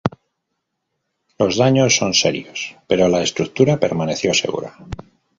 Los daños son serios pero la estructura permaneció segura.